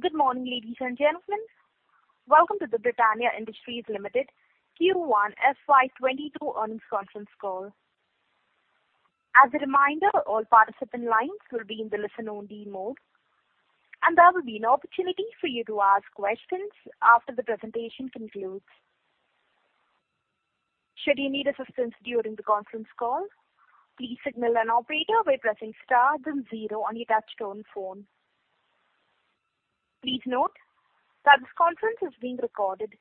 Good morning, ladies and gentlemen. Welcome to the Britannia Industries Limited Q1 FY 2022 earnings conference call. As a reminder, all participant lines will be in the listen-only mode, and there will be an opportunity for you to ask questions after the presentation concludes. Should you need assistance during the conference call, please signal an operator by pressing star then zero on your touch-tone phone. Please note that this conference is being recorded.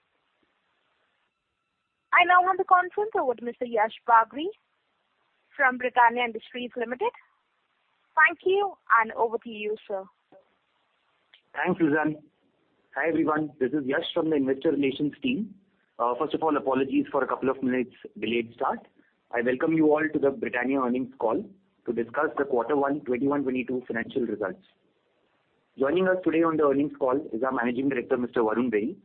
I now hand the conference over to Mr. Yash Bagri from Britannia Industries Limited. Thank you, and over to you, sir. Thanks, Suzanne. Hi, everyone. This is Yash from the Investor Relations team. First of all, apologies for a couple of minutes delayed start. I welcome you all to the Britannia earnings call to discuss the quarter one FY 2021-2022 financial results. Joining us today on the earnings call is our Managing Director, Mr. Varun Berry,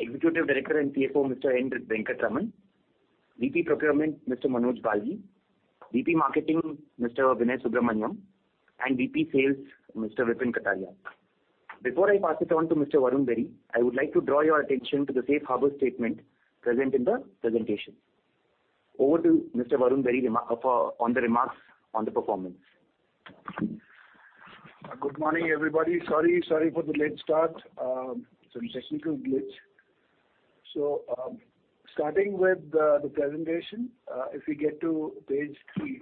Executive Director and CFO, Mr. N. Venkataraman, VP Procurement, Mr. Manoj Balgi, VP Marketing, Mr. Vinay Subramanyam, and VP Sales, Mr. Vipin Kataria. Before I pass it on to Mr. Varun Berry, I would like to draw your attention to the safe harbor statement presented in the presentation. Over to Mr. Varun Berry on the remarks on the performance. Good morning, everybody. Sorry for the late start. Some technical glitch. Starting with the presentation, if we get to page three.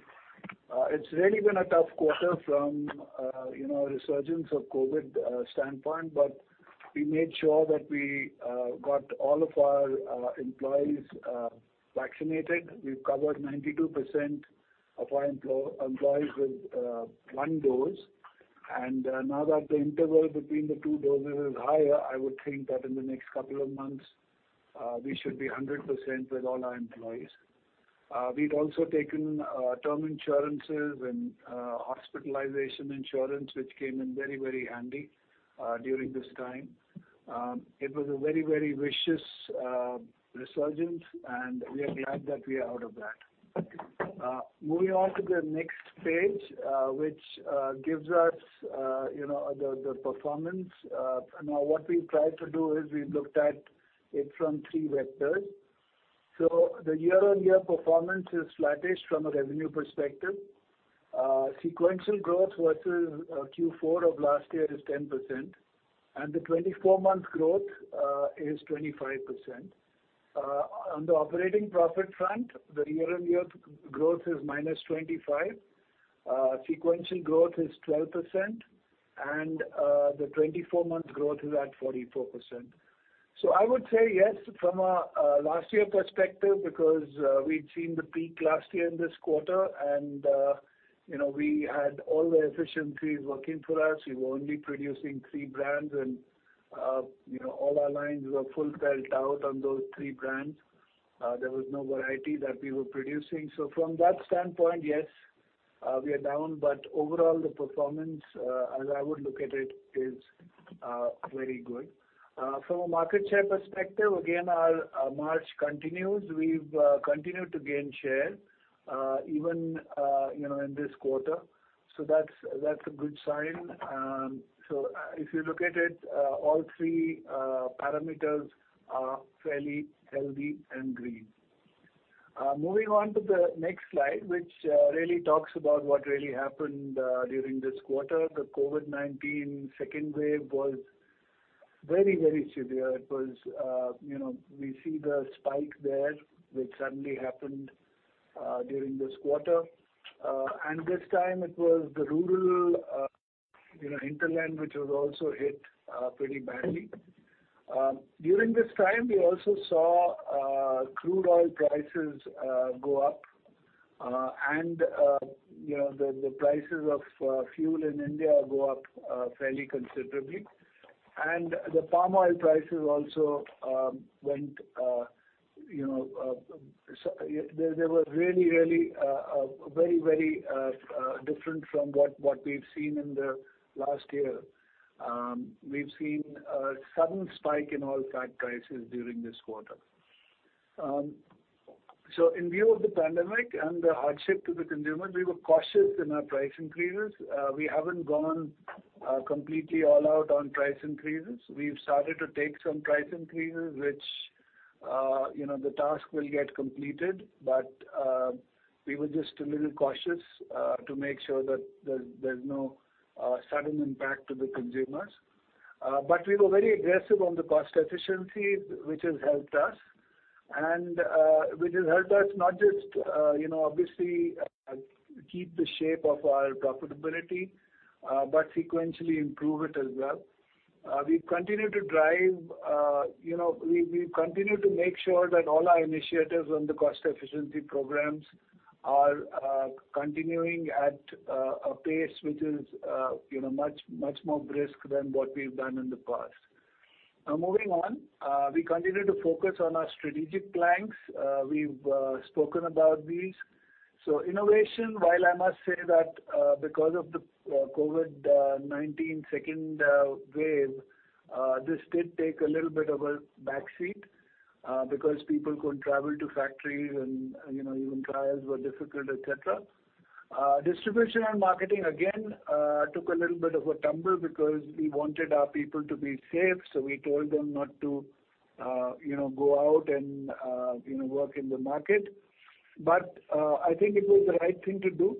It's really been a tough quarter from a resurgence of COVID standpoint, but we made sure that we got all of our employees vaccinated. We've covered 92% of our employees with one dose, and now that the interval between the two doses is higher, I would think that in the next couple of months, we should be 100% with all our employees. We'd also taken term insurances and hospitalization insurance, which came in very handy during this time. It was a very vicious resurgence, and we are glad that we are out of that. Moving on to the next page, which gives us the performance. Now, what we've tried to do is we've looked at it from three vectors. The year-on-year performance is flattish from a revenue perspective. Sequential growth versus Q4 of last year is 10%, and the 24-month growth is 25%. On the operating profit front, the year-on-year growth is -25%, sequential growth is 12%, and the 24-month growth is at 44%. I would say yes, from a last year perspective, because we'd seen the peak last year in this quarter, and we had all the efficiencies working for us. We were only producing three brands, and all our lines were full belt out on those three brands. There was no variety that we were producing. From that standpoint, yes, we are down, but overall, the performance, as I would look at it, is very good. From a market share perspective, again, our march continues. We've continued to gain share even in this quarter. That's a good sign. If you look at it, all three parameters are fairly healthy and green. Moving on to the next slide, which really talks about what really happened during this quarter. The COVID-19 second wave was very severe. We see the spike there, which suddenly happened during this quarter. This time it was the rural hinterland which was also hit pretty badly. During this time, we also saw crude oil prices go up, and the prices of fuel in India go up fairly considerably. The palm oil prices also went. They were really very different from what we've seen in the last year. We've seen a sudden spike in all fat prices during this quarter. In view of the pandemic and the hardship to the consumer, we were cautious in our price increases. We haven't gone completely all out on price increases. We've started to take some price increases, which the task will get completed, but we were just a little cautious to make sure that there's no sudden impact to the consumers. We were very aggressive on the cost efficiency, which has helped us. Which has helped us not just obviously keep the shape of our profitability, but sequentially improve it as well. We continue to make sure that all our initiatives on the cost efficiency programs are continuing at a pace which is much more brisk than what we've done in the past. Now, moving on, we continue to focus on our strategic planks. We've spoken about these. Innovation, while I must say that because of the COVID-19 second wave, this did take a little bit of a back seat, because people couldn't travel to factories, and even trials were difficult, et cetera. Distribution and marketing, again, took a little bit of a tumble because we wanted our people to be safe, so we told them not to go out and work in the market. I think it was the right thing to do,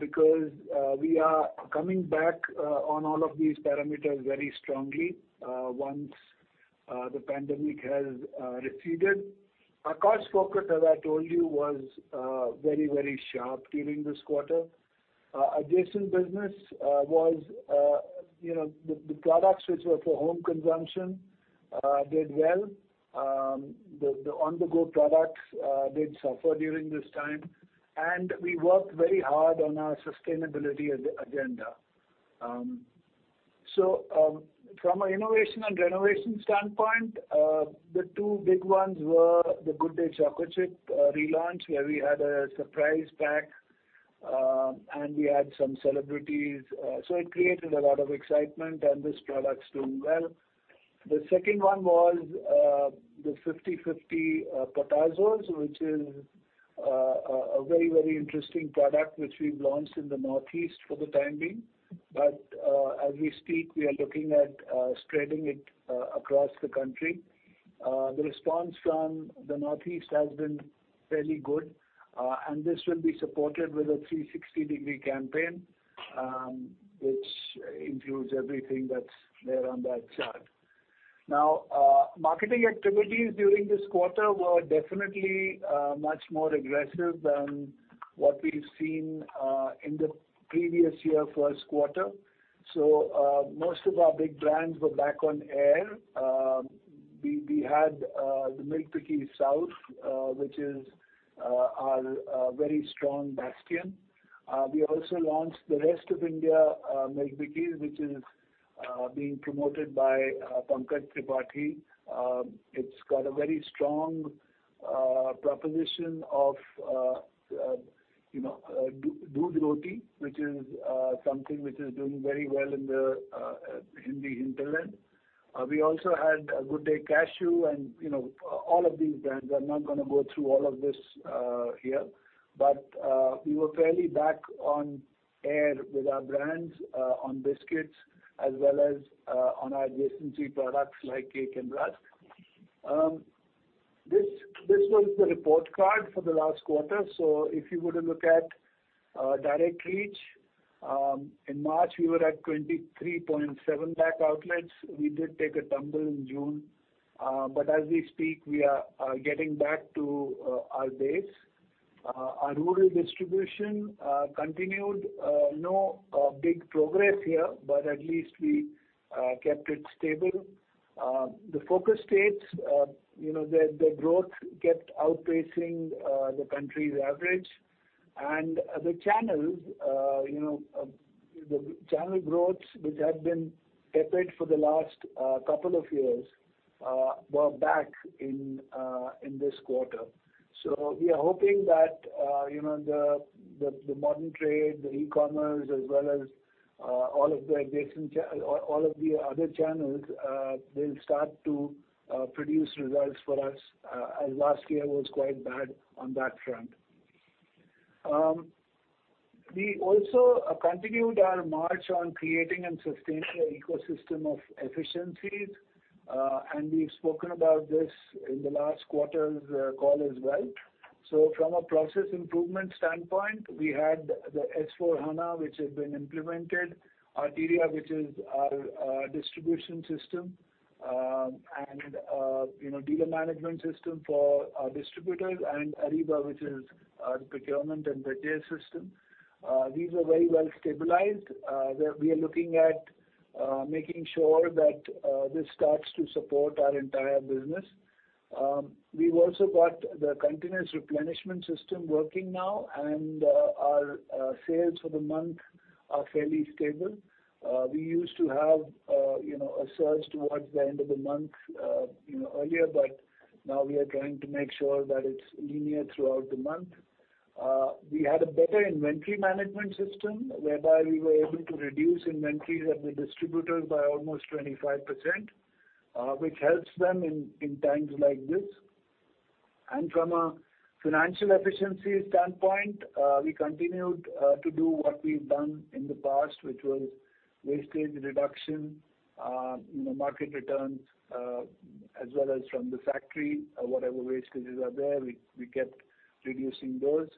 because we are coming back on all of these parameters very strongly once the pandemic has receded. Our cost focus, as I told you, was very sharp during this quarter. Adjacent business was the products which were for home consumption did well. The on-the-go products did suffer during this time. We worked very hard on our sustainability agenda. From an innovation and renovation standpoint, the two big ones were the Good Day Chocochip relaunch, where we had a surprise pack, and we had some celebrities. It created a lot of excitement, and this product's doing well. The second one was the 50/50 Potazos, which is a very interesting product, which we've launched in the Northeast for the time being. As we speak, we are looking at spreading it across the country. The response from the Northeast has been fairly good. This will be supported with a 360-degree campaign, which includes everything that's there on that chart. Now, marketing activities during this quarter were definitely much more aggressive than what we've seen in the previous year first quarter. Most of our big brands were back on air. We had the Milk Bikis South, which is our very strong bastion. We also launched the rest of India Milk Bikis, which is being promoted by Pankaj Tripathi. It's got a very strong proposition of doodh roti, which is something which is doing very well in the Hindi hinterland. We also had Good Day Cashew and all of these brands. I'm not going to go through all of this here. We were fairly back on air with our brands, on biscuits, as well as on our adjacency products like cake and rusk. This was the report card for the last quarter. If you were to look at direct reach, in March, we were at 23.7 lakh outlets. We did take a tumble in June. As we speak, we are getting back to our base. Our rural distribution continued. No big progress here, but at least we kept it stable. The focus states, the growth kept outpacing the country's average. The channels, the channel growths which had been tepid for the last couple of years, were back in this quarter. We are hoping that the modern trade, the e-commerce, as well as all of the other channels, they'll start to produce results for us, as last year was quite bad on that front. We also continued our march on creating and sustaining an ecosystem of efficiencies. We've spoken about this in the last quarter's call as well. From a process improvement standpoint, we had the S/4HANA, which has been implemented, Arteria, which is our distribution system, and dealer management system for our distributors, and Ariba, which is our procurement and better system. These are very well-stabilized. We are looking at making sure that this starts to support our entire business. We've also got the continuous replenishment system working now, and our sales for the month are fairly stable. We used to have a surge towards the end of the month earlier, but now we are trying to make sure that it's linear throughout the month. We had a better inventory management system, whereby we were able to reduce inventories at the distributors by almost 25%, which helps them in times like this. From a financial efficiency standpoint, we continued to do what we've done in the past, which was wastage reduction, market returns, as well as from the factory, whatever wastages are there, we kept reducing those.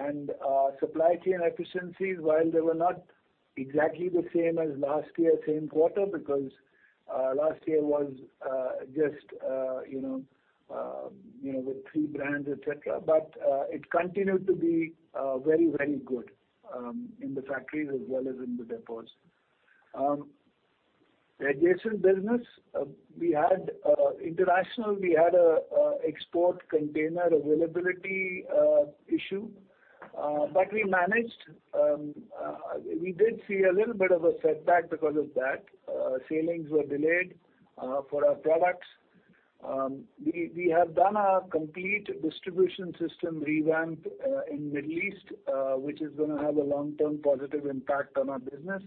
Our supply chain efficiencies, while they were not exactly the same as last year same quarter, because last year was just with three brands, et cetera, but it continued to be very good in the factories as well as in the depots. The adjacent business, international, we had a export container availability issue, but we managed. We did see a little bit of a setback because of that. Sailings were delayed for our products. We have done our complete distribution system revamp in the Middle East, which is going to have a long-term positive impact on our business.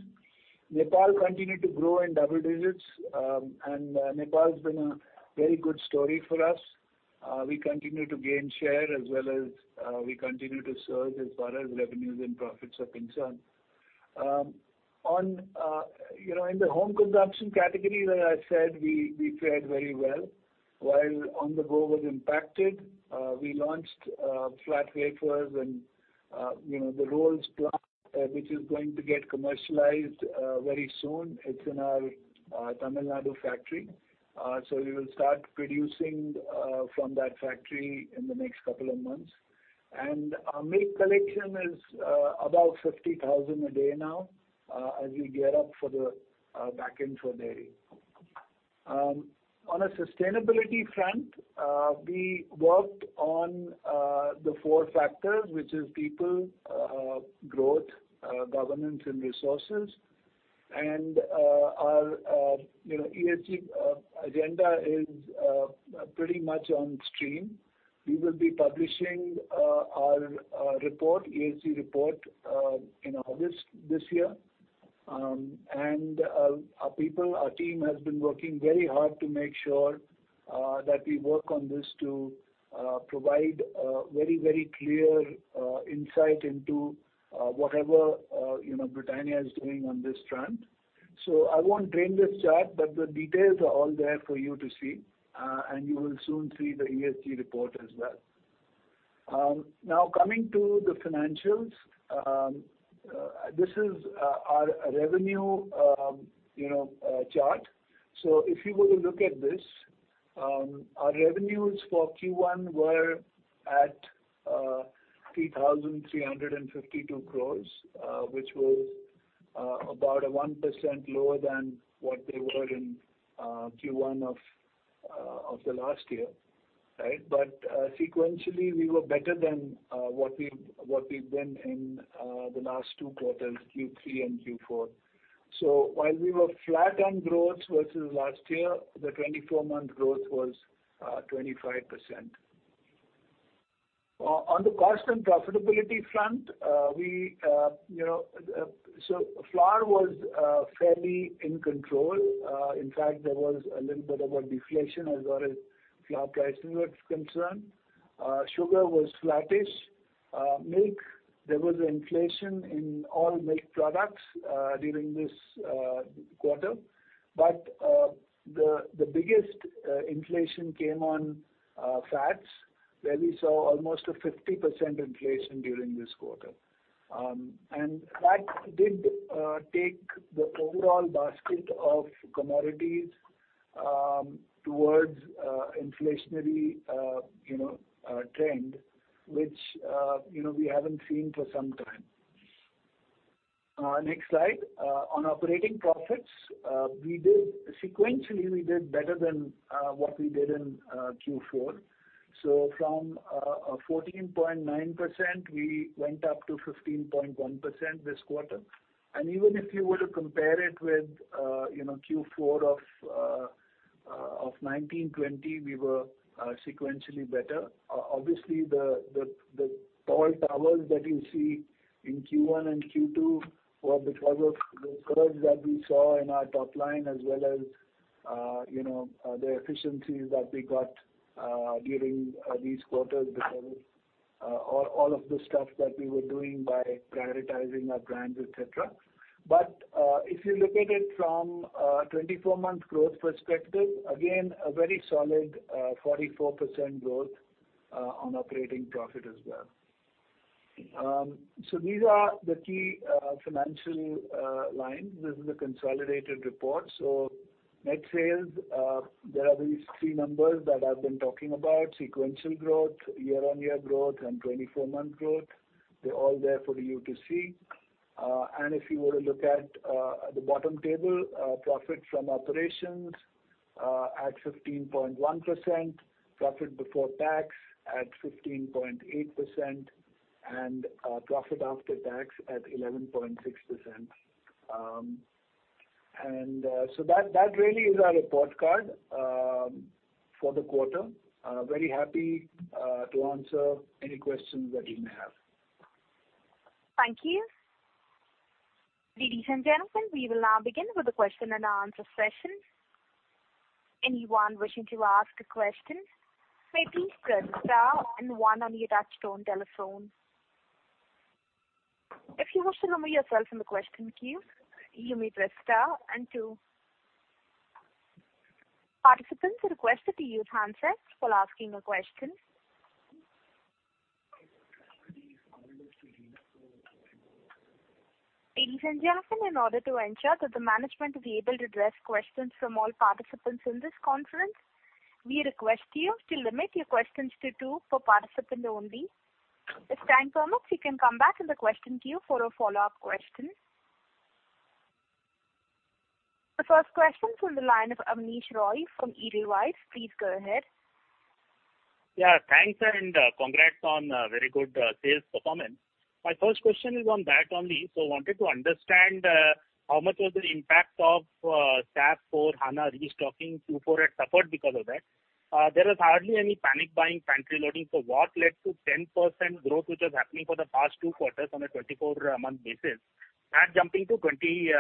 Nepal continued to grow in double digits. Nepal's been a very good story for us. We continue to gain share as well as we continue to surge as far as revenues and profits are concerned. In the home consumption category, as I said, we fared very well. While on-the-go was impacted, we launched flat wafers and the rolls plant, which is going to get commercialized very soon. It's in our Tamil Nadu factory. We will start producing from that factory in the next couple of months. Our milk collection is about 50,000 a day now, as we gear up for the backend for dairy. On a sustainability front, we worked on the four factors, which is people, growth, governance, and resources. Our ESG agenda is pretty much on stream. We will be publishing our ESG report in August this year. Our team has been working very hard to make sure that we work on this to provide a very clear insight into whatever Britannia is doing on this front. I won't drain this chart, but the details are all there for you to see, and you will soon see the ESG report as well. Coming to the financials. This is our revenue chart. If you were to look at this, our revenues for Q1 were at 3,352 crore, which was about 1% lower than what they were in Q1 of the last year. Sequentially, we were better than what we've been in the last two quarters, Q3 and Q4. While we were flat on growth versus last year, the 24-month growth was 25%. On the cost and profitability front, flour was fairly in control. In fact, there was a little bit of a deflation as far as flour pricing was concerned. Sugar was flattish. Milk, there was inflation in all milk products during this quarter. The biggest inflation came on fats, where we saw almost a 50% inflation during this quarter. That did take the overall basket of commodities towards inflationary trend, which we haven't seen for some time. Next slide. On operating profits, sequentially, we did better than what we did in Q4. From 14.9%, we went up to 15.1% this quarter. Even if you were to compare it with Q4 of 2019/2020, we were sequentially better. Obviously, the tall towers that you see in Q1 and Q2 were because of the curves that we saw in our top line, as well as the efficiencies that we got during these quarters because all of the stuff that we were doing by prioritizing our brands, et cetera. If you look at it from a 24-month growth perspective, again, a very solid 44% growth on operating profit as well. These are the key financial lines. This is a consolidated report. Net sales, there are these three numbers that I've been talking about, sequential growth, year-on-year growth, and 24-month growth. They're all there for you to see. If you were to look at the bottom table, profit from operations at 15.1%, profit before tax at 15.8%, and profit after tax at 11.6%. That really is our report card for the quarter. Very happy to answer any questions that you may have. Thank you. Ladies and gentlemen, we will now begin with the question-and-answer session. Anyone wishing to ask a question, may please press star and one on your touch-tone telephone. If you wish to remove yourself from the question queue, you may press star and two. Participants are requested to use handsets while asking a question. Ladies and gentlemen, in order to ensure that the management is able to address questions from all participants in this conference, we request you to limit your questions to two per participant only. If time permits, you can come back in the question queue for a follow-up question. The first question from the line of Abneesh Roy from Edelweiss. Please go ahead. Yeah, thanks and congrats on a very good sales performance. My first question is on that only. Wanted to understand how much was the impact of S/4HANA restocking Q4 had suffered because of that. There was hardly any panic buying, pantry loading. What led to 10% growth, which was happening for the past two quarters on a 24-month basis, now jumping to 25%?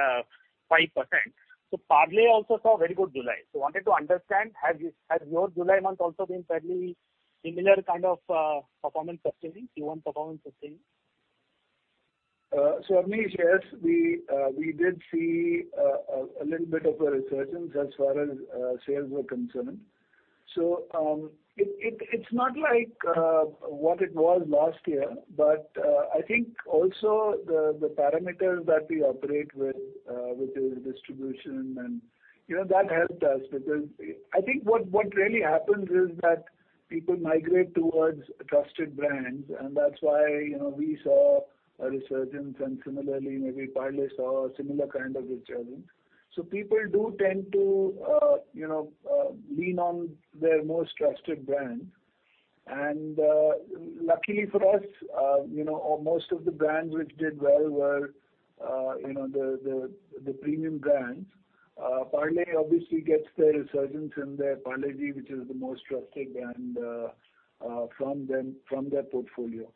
Parle also saw very good July. Wanted to understand, has your July month also been fairly similar kind of performance sustaining, Q1 performance sustaining? Abneesh, yes, we did see a little bit of a resurgence as far as sales were concerned. It's not like what it was last year, but I think also the parameters that we operate with, which is distribution and, that helped us because I think what really happens is that people migrate towards trusted brands, and that's why we saw a resurgence and similarly, maybe Parle saw a similar kind of resurgence. People do tend to lean on their most trusted brand. Luckily for us, most of the brands which did well were the premium brands. Parle obviously gets their resurgence in their Parle-G, which is the most trusted brand from their portfolio.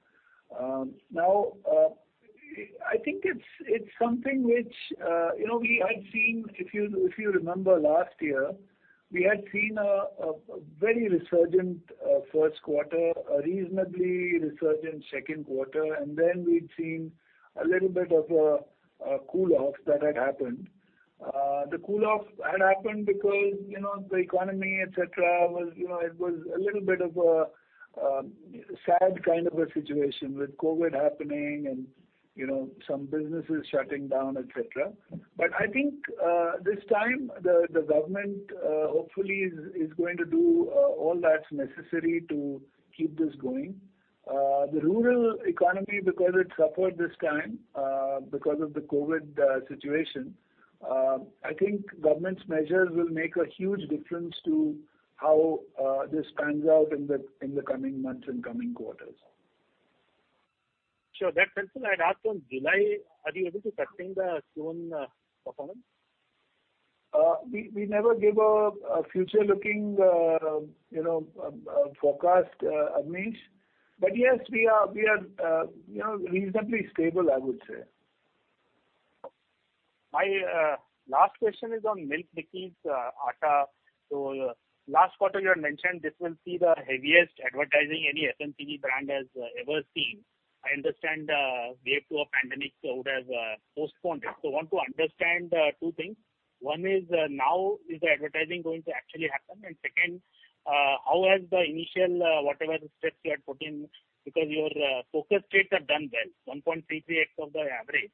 I think it's something which we had seen, if you remember last year, we had seen a very resurgent first quarter, a reasonably resurgent second quarter, and then we'd seen a little bit of a cool off that had happened. The cool off had happened because the economy, et cetera, it was a little bit of a sad kind of a situation with COVID-19 happening and some businesses shutting down, et cetera. I think this time the government hopefully is going to do all that's necessary to keep this going. The rural economy, because it suffered this time because of the COVID-19 situation, I think government's measures will make a huge difference to how this pans out in the coming months and coming quarters. Sure. That's also I'd asked on July, are you able to sustain the strong performance? We never give a future-looking forecast, Abneesh. Yes, we are reasonably stable, I would say. My last question is on Milk Bikis Atta. Last quarter you had mentioned this will see the heaviest advertising any FMCG brand has ever seen. I understand wave two of pandemic would have postponed it. Want to understand two things. One is, now is the advertising going to actually happen? Second, how has the initial, whatever the steps you had put in, because your focus states have done well, 1.33x of the average.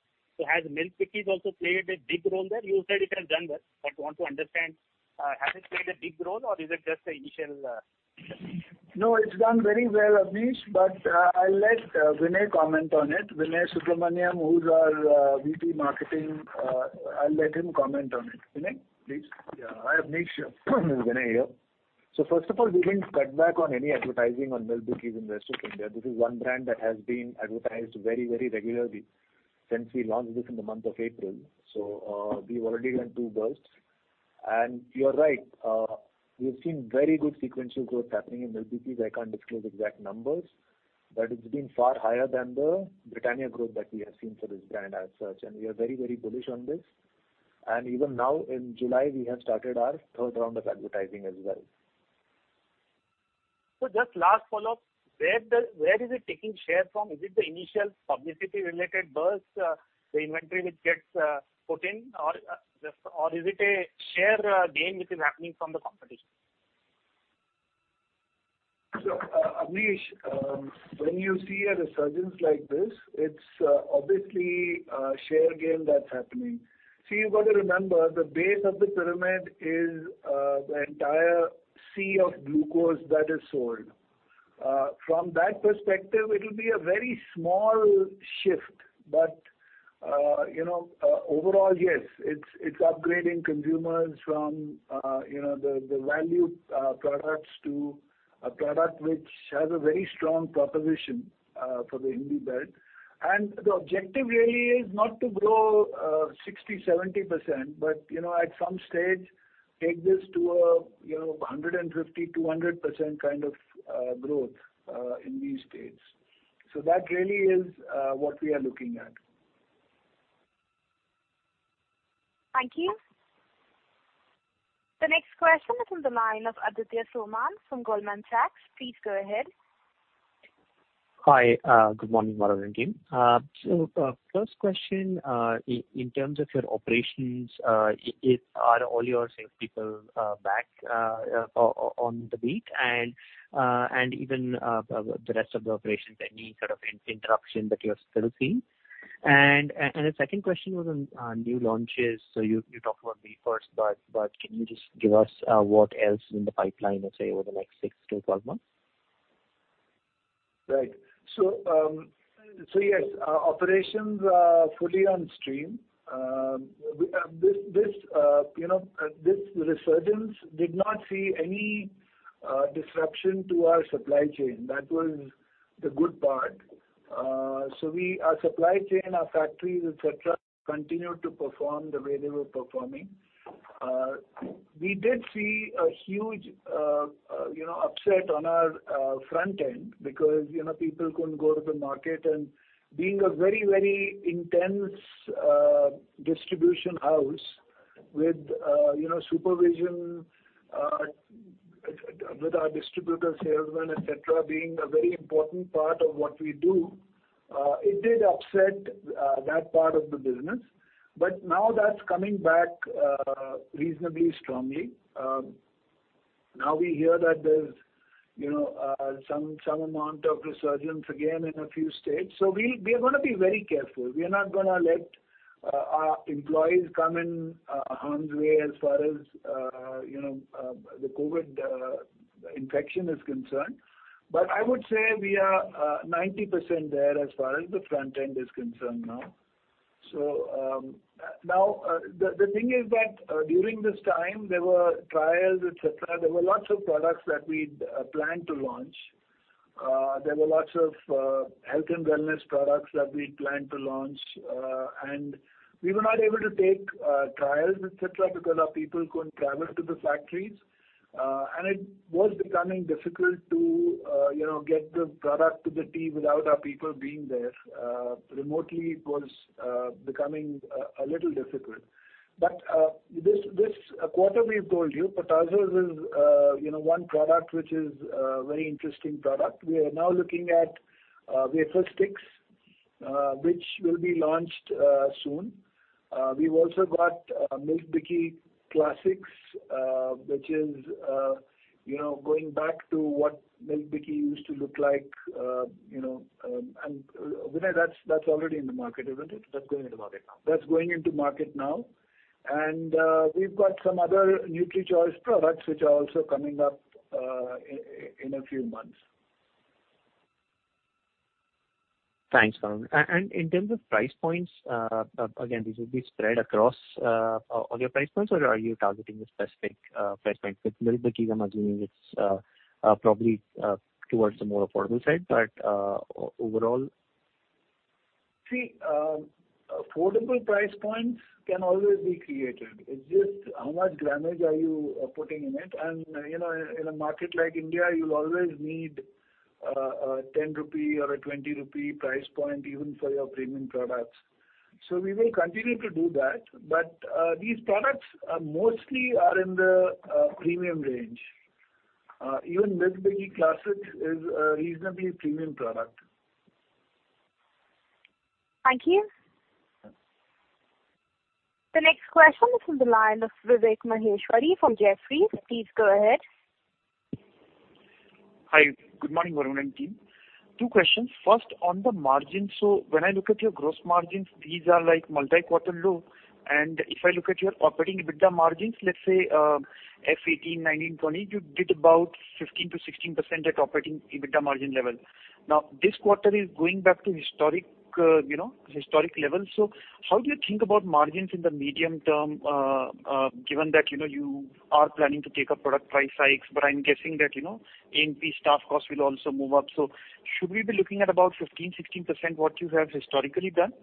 Has Milk Bikis also played a big role there? You said it has done well, but want to understand, has it played a big role or is it just the initial steps? No, it's done very well, Abneesh, but I'll let Vinay comment on it. Vinay Subramanyam, who's our VP Marketing. I'll let him comment on it. Vinay, please. Yeah. Hi, Abneesh. Vinay here. First of all, we didn't cut back on any advertising on Milk Bikis in the rest of India. This is one brand that has been advertised very regularly since we launched this in the month of April. We've already done two bursts. You're right, we've seen very good sequential growth happening in Milk Bikis. I can't disclose exact numbers, but it's been far higher than the Britannia growth that we have seen for this brand as such. We are very bullish on this. Even now in July, we have started our third round of advertising as well. Just last follow-up. Where is it taking share from? Is it the initial publicity related burst, the inventory which gets put in, or is it a share gain which is happening from the competition? Abneesh, when you see a resurgence like this, it's obviously a share gain that's happening. See, you've got to remember, the base of the pyramid is the entire sea of glucose that is sold. From that perspective, it will be a very small shift, but overall, yes, it's upgrading consumers from the value products to a product which has a very strong proposition for the Hindi belt. The objective really is not to grow 60% to 70%, but at some stage take this to 150% to 200% kind of growth in these states. That really is what we are looking at. Thank you. The next question is on the line of Aditya Soman from Goldman Sachs. Please go ahead. Hi. Good morning, Varun and team. First question, in terms of your operations, are all your sales people back on the beat, and even the rest of the operations, any sort of interruption that you're still seeing? The second question was on new launches. You talked about wafers, but can you just give us what else is in the pipeline, let's say over the next 6-12 months? Right. Yes, our operations are fully on stream. This resurgence did not see any disruption to our supply chain. That was the good part. Our supply chain, our factories, et cetera, continued to perform the way they were performing. We did see a huge upset on our front end because people couldn't go to the market, and being a very intense distribution house with supervision, with our distributor salesman, et cetera, being a very important part of what we do, it did upset that part of the business. Now that's coming back reasonably strongly. Now we hear that there's some amount of resurgence again in a few states. We are going to be very careful. We are not going to let our employees come in harm's way as far as the COVID-19 infection is concerned. I would say we are 90% there as far as the front end is concerned now. Now, the thing is that during this time, there were trials, et cetera. There were lots of products that we'd planned to launch. There were lots of health and wellness products that we'd planned to launch. We were not able to take trials, et cetera, because our people couldn't travel to the factories. It was becoming difficult to get the product to the team without our people being there. Remotely, it was becoming a little difficult. This quarter, we've told you, Potazos is one product, which is a very interesting product. We are now looking at wafer sticks, which will be launched soon. We've also got Milk Bikis Classic, which is going back to what Milk Bikis used to look like. Vinay, that's already in the market, isn't it? That's going into market now. That's going into market now. We've got some other NutriChoice products which are also coming up in a few months. Thanks, Varun. In terms of price points, again, these will be spread across all your price points? Or are you targeting a specific price point? With Milk Bikis, I'm assuming it's probably towards the more affordable side, but overall? Affordable price points can always be created. It's just how much grammage are you putting in it? In a market like India, you'll always need a 10 rupee or a 20 rupee price point even for your premium products. We will continue to do that. These products mostly are in the premium range. Milk Bikis Classic is a reasonably premium product. Thank you. The next question is from the line of Vivek Maheshwari from Jefferies. Please go ahead. Hi. Good morning, Varun and team. Two questions. First, on the margin. When I look at your gross margins, these are multi-quarter low. If I look at your operating EBITDA margins, let's say FY 2018, 2019, 2020, you did about 15%-16% at operating EBITDA margin level. Now, this quarter is going back to historic levels. How do you think about margins in the medium term, given that you are planning to take up product price hikes, but I'm guessing that A&P staff costs will also move up. Should we be looking at about 15%-16%, what you have historically done?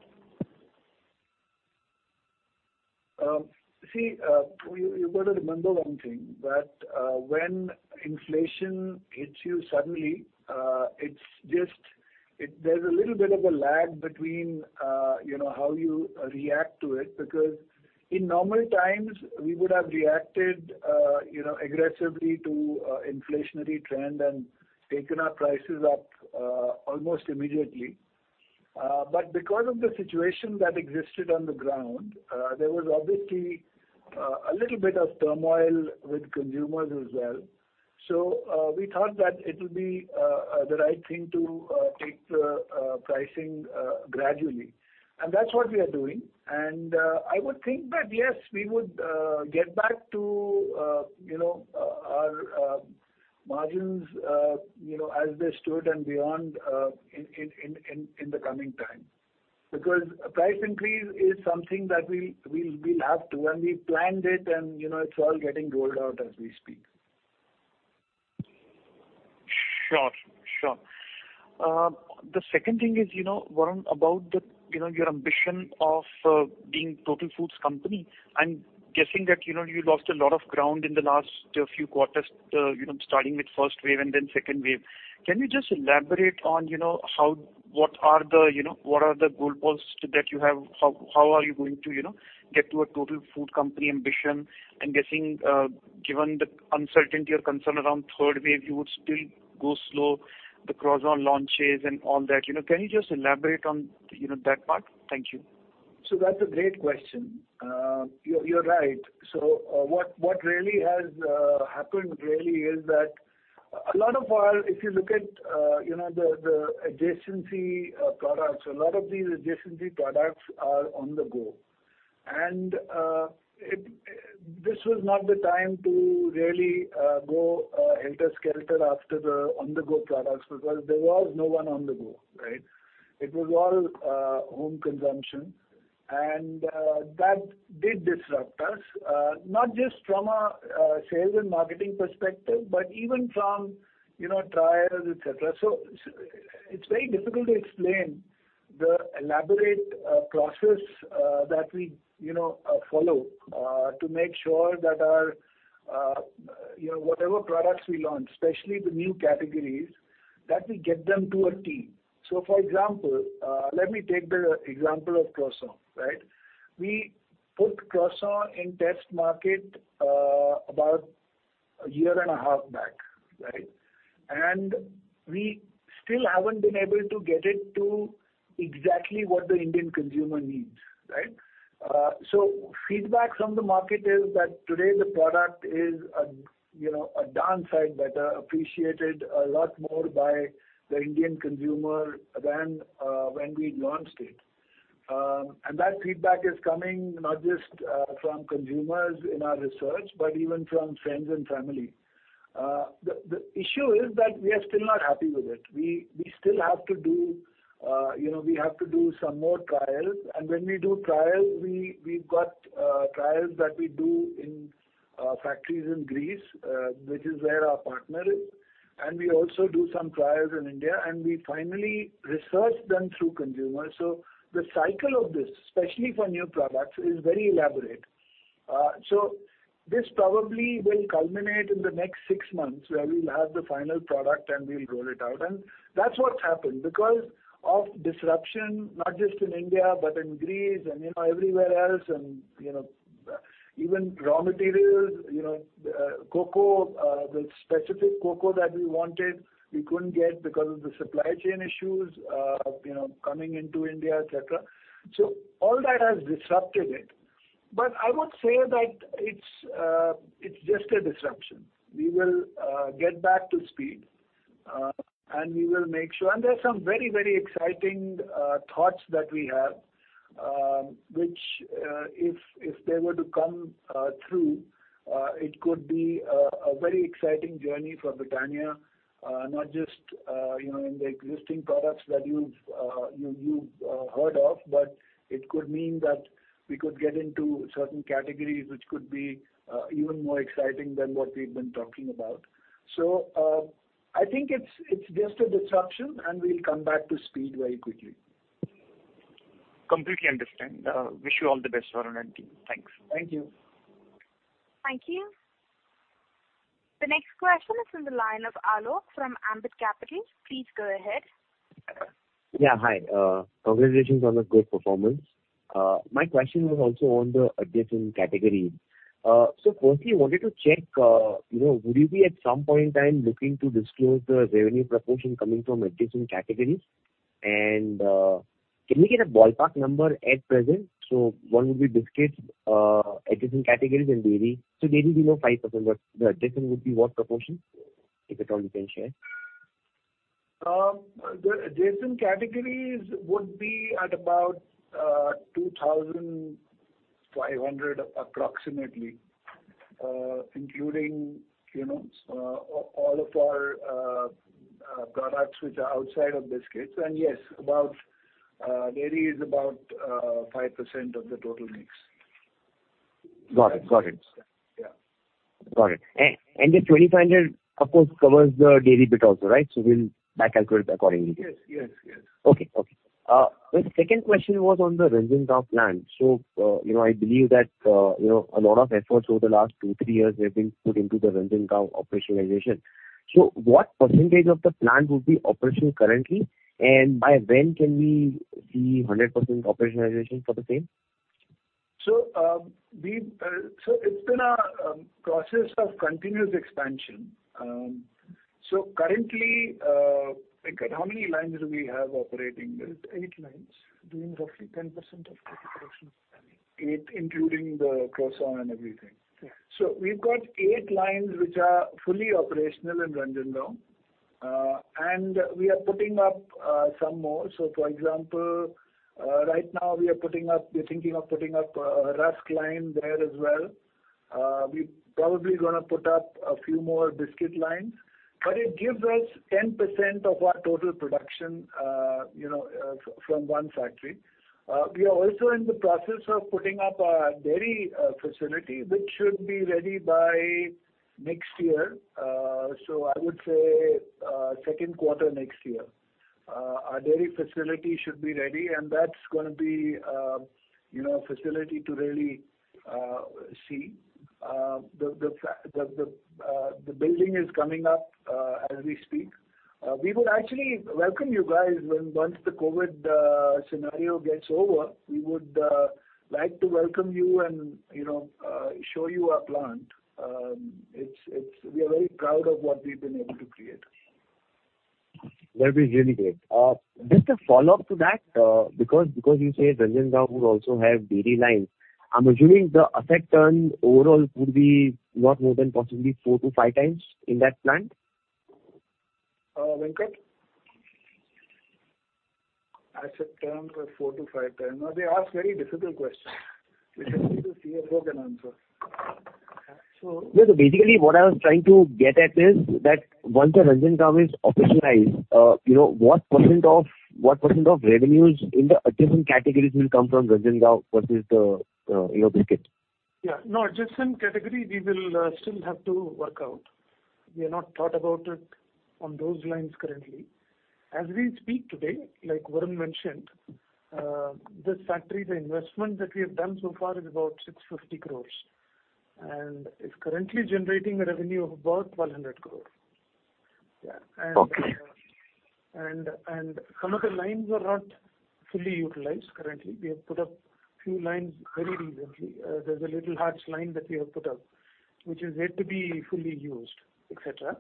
See, you've got to remember one thing, that when inflation hits you suddenly, there's a little bit of a lag between how you react to it, because in normal times, we would have reacted aggressively to inflationary trend and taken our prices up almost immediately. Because of the situation that existed on the ground, there was obviously a little bit of turmoil with consumers as well. We thought that it would be the right thing to take the pricing gradually. That's what we are doing. I would think that, yes, we would get back to our margins as they stood and beyond in the coming time. A price increase is something that we'll have to, and we planned it, and it's all getting rolled out as we speak. Sure. The second thing is, Varun, about your ambition of being total foods company, I'm guessing that you lost a lot of ground in the last few quarters, starting with first wave and then second wave. Can you just elaborate on what are the goalposts that you have? How are you going to get to a total food company ambition? I'm guessing, given the uncertainty or concern around third wave, you would still go slow, the croissant launches and all that. Can you just elaborate on that part? Thank you. That's a great question. You're right. What really has happened really is that a lot of our, if you look at the adjacency products, a lot of these adjacency products are on the go. This was not the time to really go helter-skelter after the on-the-go products, because there was no one on the go, right? It was all home consumption. That did disrupt us, not just from a sales and marketing perspective, but even from trials, et cetera. It's very difficult to explain the elaborate process that we follow to make sure that whatever products we launch, especially the new categories, that we get them to a T. For example, let me take the example of croissant. We put croissant in test market about a year and a half back. We still haven't been able to get it to exactly what the Indian consumer needs. Feedback from the market is that today the product is a darn sight better appreciated a lot more by the Indian consumer than when we launched it. That feedback is coming not just from consumers in our research, but even from friends and family. The issue is that we are still not happy with it. We have to do some more trials. When we do trials, we've got trials that we do in factories in Greece which is where our partner is, and we also do some trials in India, and we finally research them through consumers. The cycle of this, especially for new products, is very elaborate. This probably will culminate in the next six months, where we'll have the final product and we'll roll it out. That's what's happened. Because of disruption, not just in India, but in Greece and everywhere else, and even raw materials, the specific cocoa that we wanted, we couldn't get because of the supply chain issues coming into India, et cetera. All that has disrupted it. I would say that it's just a disruption. We will get back to speed. There's some very exciting thoughts that we have, which if they were to come through, it could be a very exciting journey for Britannia, not just in the existing products that you've heard of, but it could mean that we could get into certain categories which could be even more exciting than what we've been talking about. I think it's just a disruption, and we'll come back to speed very quickly. Completely understand. Wish you all the best, Varun and team. Thanks. Thank you. Thank you. The next question is from the line of Alok from Ambit Capital. Please go ahead. Yeah, hi. Congratulations on the good performance. My question was also on the adjacent categories. Firstly, I wanted to check, would you be at some point in time looking to disclose the revenue proportion coming from adjacent categories? Can we get a ballpark number at present? One would be biscuits, adjacent categories and dairy. Dairy we know 5%, but the adjacent would be what proportion? If at all you can share. The adjacent categories would be at about 2,500 approximately, including all of our products which are outside of biscuits. Yes, dairy is about 5% of the total mix. Got it. Yeah. Got it. The INR 2,500 of course covers the dairy bit also, right? We'll back calculate accordingly. Yes. Okay. The second question was on the Ranjangaon plant. I believe that a lot of efforts over the last two, three years have been put into the Ranjangaon operationalization. What percentage of the plant would be operational currently, and by when can we see 100% operationalization for the same? It's been a process of continuous expansion. Currently, Venkat, how many lines do we have operating there? Eight lines, doing roughly 10% of total production currently. Eight, including the croissant and everything? Yes. We've got eight lines which are fully operational in Ranjangaon. We are putting up some more. For example, right now we're thinking of putting up a rusk line there as well. We probably going to put up a few more biscuit lines. It gives us 10% of our total production from one factory. We are also in the process of putting up a dairy facility, which should be ready by next year. I would say second quarter next year. Our dairy facility should be ready, that's going to be a facility to really see. The building is coming up as we speak. We would actually welcome you guys once the COVID-19 scenario gets over. We would like to welcome you and show you our plant. We are very proud of what we've been able to create. That'd be really great. Just a follow-up to that, because you say Ranjangaon would also have dairy lines. I'm assuming the asset turn overall would be what more than possibly 4x-5x in that plant? Venkat? Asset turns like 4x-5x. No, they ask very difficult questions which only the CFO can answer. Yes. Basically, what I was trying to get at is that once the Ranjangaon is operationalized, what % of revenues in the adjacent categories will come from Ranjangaon versus the biscuit? Yeah. No, adjacent category, we will still have to work out. We have not thought about it on those lines currently. As we speak today, like Varun mentioned, this factory, the investment that we have done so far is about 650 crore, and it's currently generating a revenue of about 100 crore. Okay. Some of the lines are not fully utilized currently. We have put up few lines very recently. There's a Little Hearts line that we have put up, which is yet to be fully used, et cetera.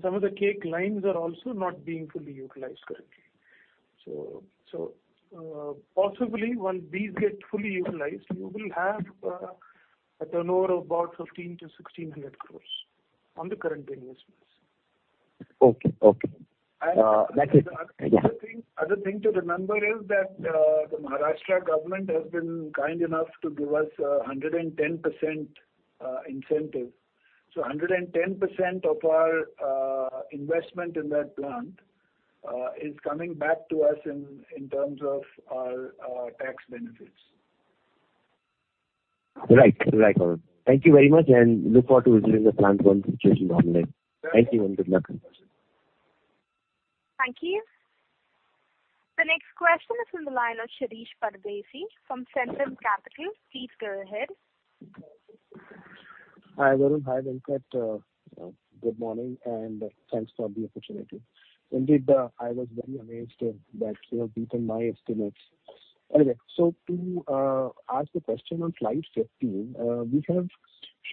Some of the cake lines are also not being fully utilized currently. Possibly once these get fully utilized, we will have a turnover of about 15 crore-1,600 crore on the current investments. Okay. That's it. Yeah. Other thing to remember is that the Maharashtra government has been kind enough to give us 110% incentive. 110% of our investment in that plant is coming back to us in terms of our tax benefits. Right. Thank you very much, and look forward to visiting the plant once the situation normalizes. Thank you and good luck. Thank you. The next question is from the line of Shirish Pardeshi from Centrum Capital. Please go ahead. Hi, Varun. Hi, Venkat. Good morning, and thanks for the opportunity. Indeed, I was very amazed that you have beaten my estimates. To ask the question on Slide 15, we have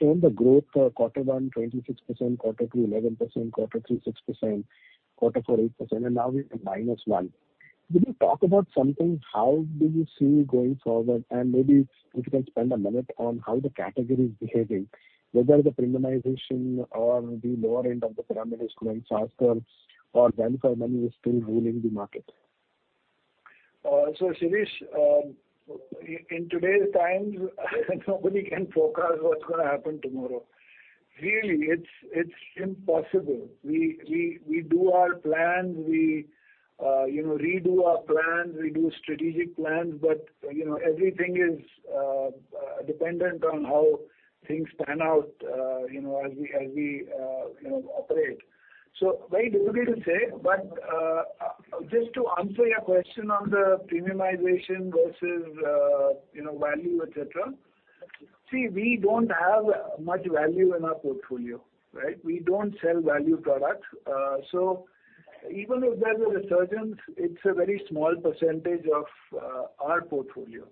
shown the growth for quarter one, 26%, quarter two, 11%, quarter three, 6%, quarter four, 8%, and now we're at -1%. Could you talk about something, how do you see going forward, and maybe if you can spend a minute on how the category is behaving, whether the premiumization or the lower end of the pyramid is growing faster or value for money is still ruling the market? Shirish, in today's times, nobody can forecast what's going to happen tomorrow. Really, it's impossible. We do our plans, we redo our plans, we do strategic plans, but everything is dependent on how things pan out as we operate. Very difficult to say. Just to answer your question on the premiumization versus value, et cetera. See, we don't have much value in our portfolio, right? We don't sell value products. Even if there's a resurgence, it's a very small percentage of our portfolio.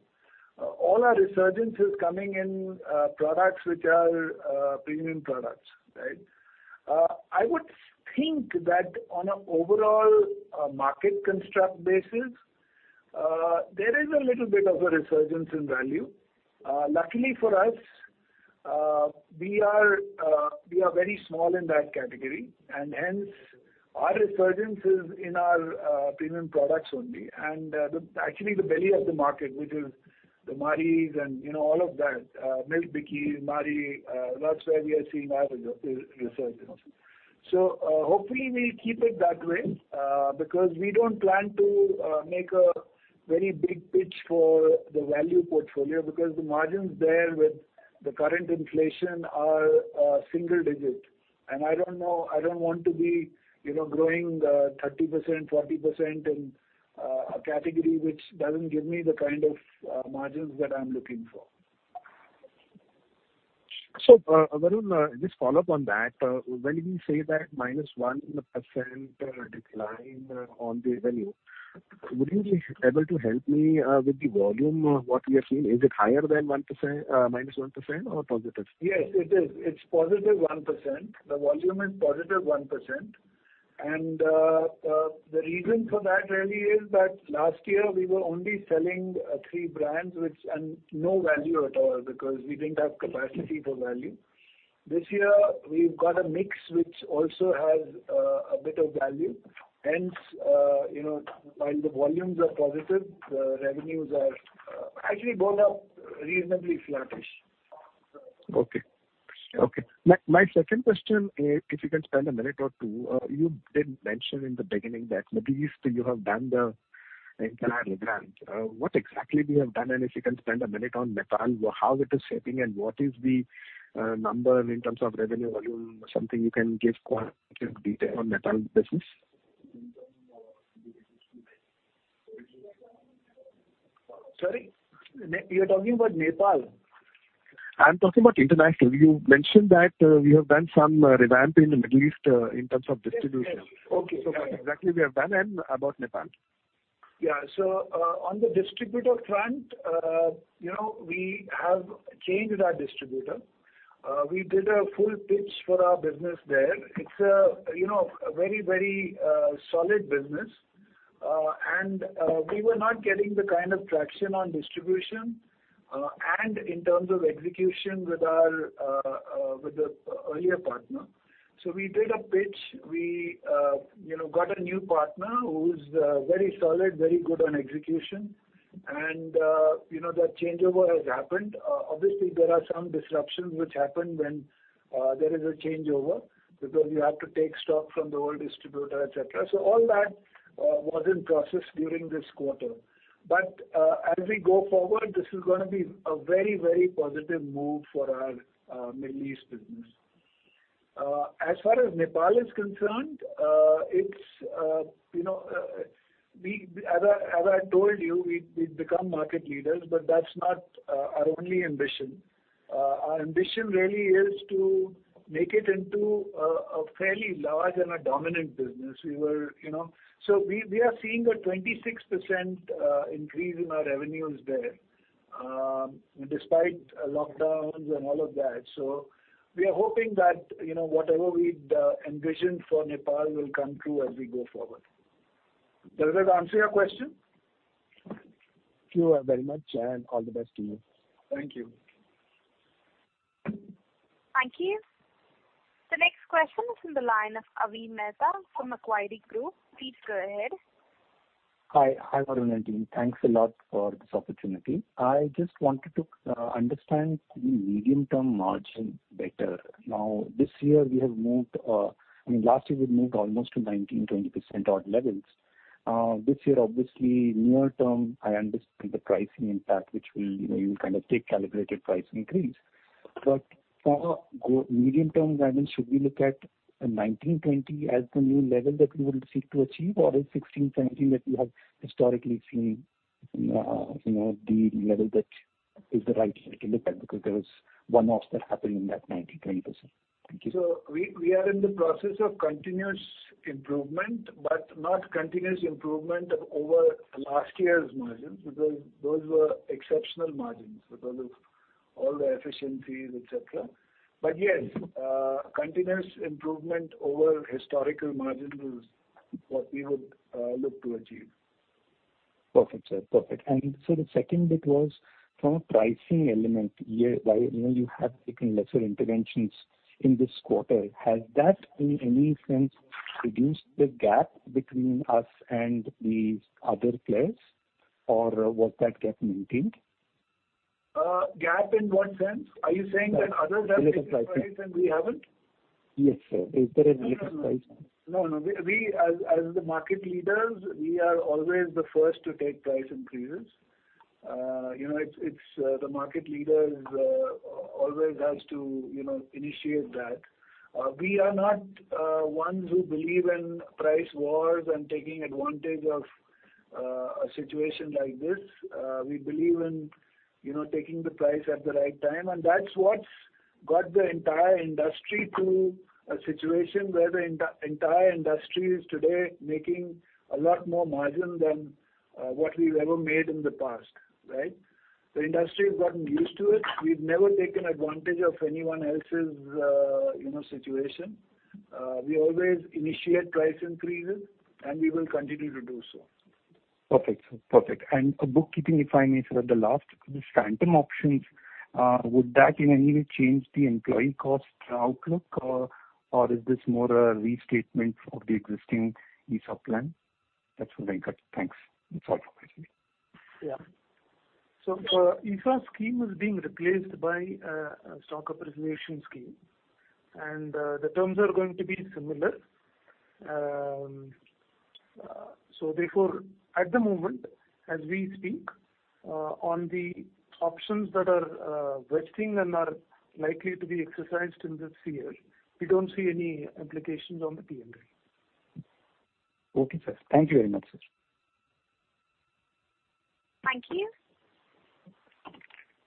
All our resurgence is coming in products which are premium products. I would think that on an overall market construct basis, there is a little bit of a resurgence in value. Luckily for us, we are very small in that category, and hence our resurgence is in our premium products only. Actually the belly of the market, which is the Marie and all of that, Milk Bikis, Marie, that's where we are seeing our resurgence. Hopefully we'll keep it that way, because we don't plan to make a very big pitch for the value portfolio because the margins there with the current inflation are single digit. I don't want to be growing 30%, 40% in a category which doesn't give me the kind of margins that I'm looking for. Varun, just follow up on that. When we say that -1% decline on the revenue, would you be able to help me with the volume? What we have seen, is it higher than -1% or positive? Yes, it is. It's +1%. The volume is +1%. The reason for that really is that last year we were only selling three brands, and no value at all because we didn't have capacity for value. This year we've got a mix which also has a bit of value. While the volumes are positive, the revenues are actually both are reasonably flattish. Okay. My second question is, if you can spend a minute or two, you did mention in the beginning that Middle East you have done the entire revamp. What exactly you have done, and if you can spend a minute on Nepal, how it is shaping and what is the number in terms of revenue volume, something you can give quantitative detail on Nepal business? Sorry? You're talking about Nepal? I'm talking about international. You mentioned that you have done some revamp in the Middle East in terms of distribution. Yes. Okay. What exactly you have done and about Nepal? Yeah. On the distributor front, we have changed our distributor. We did a full pitch for our business there. It's a very solid business. We were not getting the kind of traction on distribution, and in terms of execution with the earlier partner. We did a pitch. We got a new partner who's very solid, very good on execution. That changeover has happened. Obviously, there are some disruptions which happen when there is a changeover, because you have to take stock from the old distributor, et cetera. All that was in process during this quarter. As we go forward, this is going to be a very positive move for our Middle East business. As far as Nepal is concerned, as I told you, we've become market leaders, but that's not our only ambition. Our ambition really is to make it into a fairly large and a dominant business. We are seeing a 26% increase in our revenues there, despite lockdowns and all of that. We are hoping that whatever we'd envisioned for Nepal will come true as we go forward. Does that answer your question? Thank you very much. All the best to you. Thank you. Thank you. The next question is from the line of Avi Mehta from Macquarie Group. Please go ahead. Hi, Varun and team. Thanks a lot for this opportunity. I just wanted to understand the medium-term margin better. Last year we'd moved almost to 19%-20% odd levels. This year, obviously, near term, I understand the pricing impact, which you will kind of take calibrated price increase. For medium-term guidance, should we look at 19%-20% as the new level that you would seek to achieve, or is 16%-17% what you have historically seen the level that is the right way to look at, because there was one-offs that happened in that 19%-20%. Thank you. We are in the process of continuous improvement, but not continuous improvement over last year's margins, because those were exceptional margins because of all the efficiencies, et cetera. Yes, continuous improvement over historical margins is what we would look to achieve. Perfect, sir. The second bit was from a pricing element. While you have taken lesser interventions in this quarter, has that in any sense reduced the gap between us and the other players, or was that gap maintained? Gap in what sense? Are you saying that others have increased price and we haven't? Yes, sir. Is there an increase in price? No. As the market leaders, we are always the first to take price increases. The market leader always has to initiate that. We are not ones who believe in price wars and taking advantage of a situation like this. We believe in taking the price at the right time, and that's what's got the entire industry to a situation where the entire industry is today making a lot more margin than what we've ever made in the past. Right? The industry has gotten used to it. We've never taken advantage of anyone else's situation. We always initiate price increases, and we will continue to do so. Perfect. A bookkeeping, if I may, sir, at the last. These phantom options, would that in any way change the employee cost outlook, or is this more a restatement of the existing ESOP plan? That's where I cut. Thanks. That's all from my side. Yeah. ESOP scheme is being replaced by a stock appreciation scheme, and the terms are going to be similar. Therefore, at the moment, as we speak, on the options that are vesting and are likely to be exercised in this year, we don't see any implications on the P&L. Okay, sir. Thank you very much, sir. Thank you.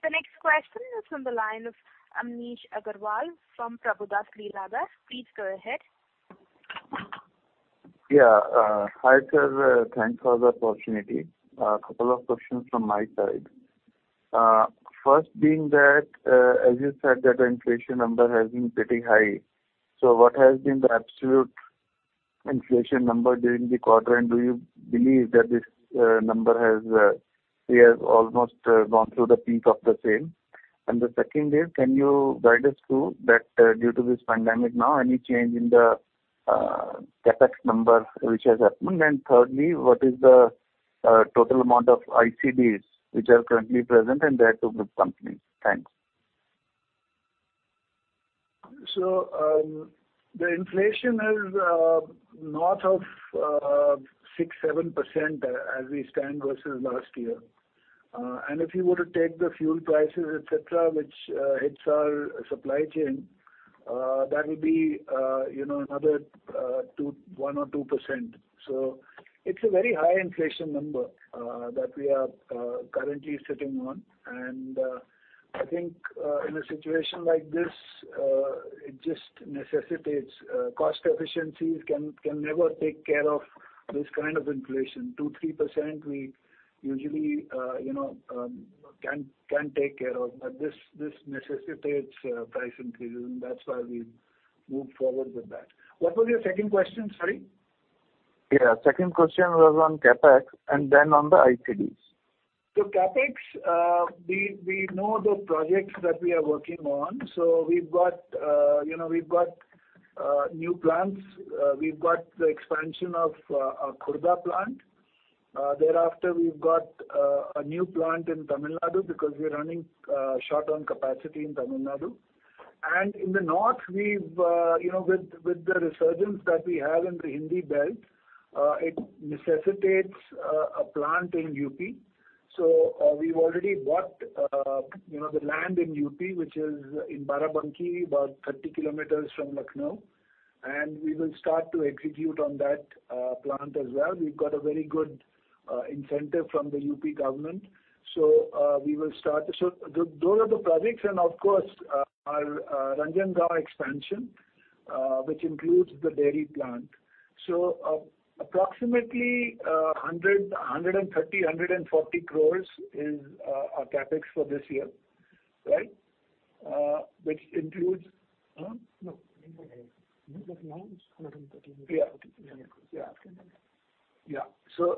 The next question is from the line of Amnish Agarwal from Prabhudas Lilladher. Please go ahead. Yeah. Hi, sir. Thanks for the opportunity. A couple of questions from my side. First being that, as you said, that the inflation number has been pretty high. What has been the absolute inflation number during the quarter, and do you believe that this number has almost gone through the peak of the same? The second is, can you guide us to that due to this pandemic now, any change in the CapEx number which has happened? Thirdly, what is the total amount of ICDs which are currently present and their two group companies? Thanks. The inflation is north of 6%-7% as we stand versus last year. If you were to take the fuel prices, et cetera, which hits our supply chain, that will be another 1%-2%. It's a very high inflation number that we are currently sitting on. I think in a situation like this, it just necessitates cost efficiencies can never take care of this kind of inflation. 2%-3%, we usually can take care of, but this necessitates price increases, and that's why we've moved forward with that. What was your second question? Sorry. Yeah. Second question was on CapEx and then on the ICDs. CapEx, we know the projects that we are working on. We've got new plants. We've got the expansion of our Khurda plant. Thereafter, we've got a new plant in Tamil Nadu because we're running short on capacity in Tamil Nadu. In the north, with the resurgence that we have in the Hindi belt, it necessitates a plant in U.P. We've already bought the land in U.P., which is in Barabanki, about 30 km from Lucknow, and we will start to execute on that plant as well. We've got a very good incentive from the U.P. government. We will start. Those are the projects, and of course, our Ranjangaon expansion which includes the dairy plant. Approximately 130 crore, 140 crore is our CapEx for this year, right? No. [inaudible] Yeah.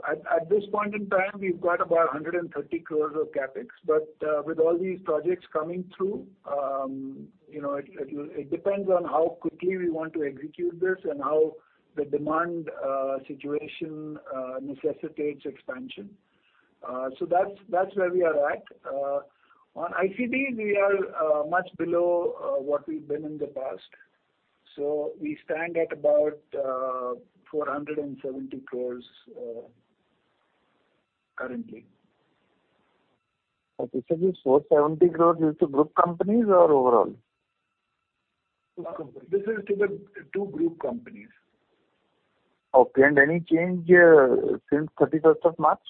At this point in time, we've got about 130 crore of CapEx. With all these projects coming through, it depends on how quickly we want to execute this and how the demand situation necessitates expansion. That's where we are at. On ICD, we are much below what we've been in the past. We stand at about 470 crore currently. Okay. You said the 470 crore is to group companies or overall? This is to the two group companies. Okay. Any change since 31st of March?